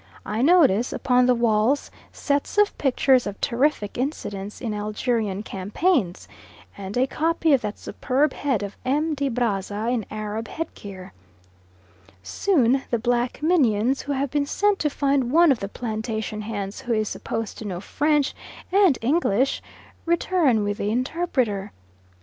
I notice upon the walls sets of pictures of terrific incidents in Algerian campaigns, and a copy of that superb head of M. de Brazza in Arab headgear. Soon the black minions who have been sent to find one of the plantation hands who is supposed to know French and English, return with the "interpreter."